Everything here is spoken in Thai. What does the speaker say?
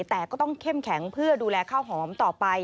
แต่ก็ต้องเข้มแข็งเพื่อดูแลข้าวหอมต่อไป